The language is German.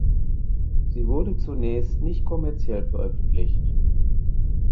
Sie wurde zunächst nicht kommerziell veröffentlicht.